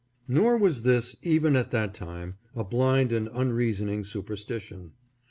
Nor was this, even at that time, a blind and unreasoning superstition.